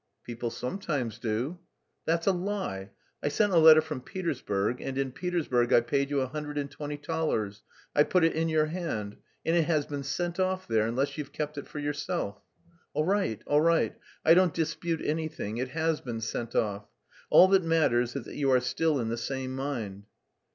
"People sometimes do." "That's a lie. I sent a letter from Petersburg, and in Petersburg I paid you a hundred and twenty thalers; I put it in your hand... and it has been sent off there, unless you've kept it for yourself." "All right, all right, I don't dispute anything; it has been sent off. All that matters is that you are still in the same mind."